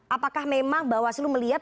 apakah memang bawaslu melihat